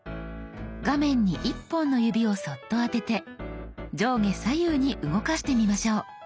画面に１本の指をそっと当てて上下左右に動かしてみましょう。